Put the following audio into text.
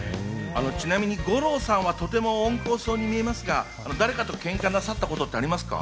ちなみに五郎さんはとても温厚そうに見えますが、誰かとケンカなさったことってありますか？